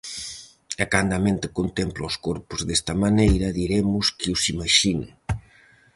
E cando a mente contempla os corpos desta maneira, diremos que os imaxina.